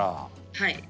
はい。